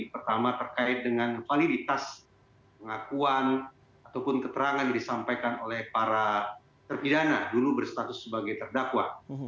pertama terkait dengan validitas pengakuan ataupun keterangan yang disampaikan oleh para terpidana dulu berstatus sebagai terdakwa